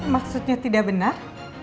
maksudnya tidak benar